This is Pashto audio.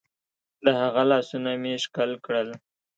د هغه لاسونه مې ښكل كړل.